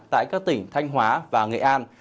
tại các tỉnh thanh hóa và nghệ an